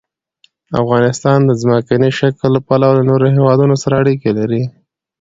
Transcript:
افغانستان د ځمکني شکل له پلوه له نورو هېوادونو سره اړیکې لري.